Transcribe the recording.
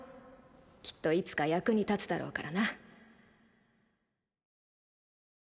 きっといつか役に立つだろうからな